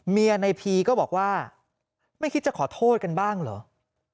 ในพีก็บอกว่าไม่คิดจะขอโทษกันบ้างเหรอ